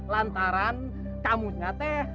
lantaran kamusnya teh